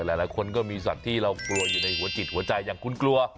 หลายคนก็มีสัตว์ที่เรากลัวอยู่ในหัวจิตหัวใจอย่างคุณกลัว